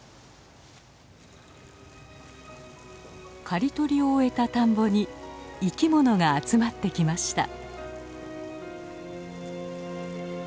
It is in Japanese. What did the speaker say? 刈り取りを終えた田んぼに生きものが集まってきました。